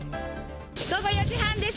午後４時半です。